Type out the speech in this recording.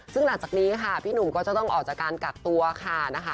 ซึ่งหลังจากนี้ค่ะพี่หนุ่มก็จะต้องออกจากการกักตัวค่ะนะคะ